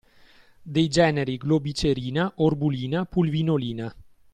Dei generi globicerina, orbulina pulvinolina.